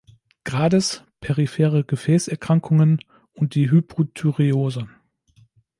Grades, periphere Gefäßerkrankungen und die Hypothyreose.